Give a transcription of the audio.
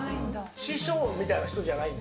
師匠みたいな人じゃないんだ？